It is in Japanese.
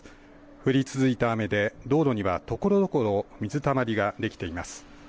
降り続いた雨で道路にはところどころ水たまりが出来ています。